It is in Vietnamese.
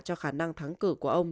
cho khả năng thắng cử của ông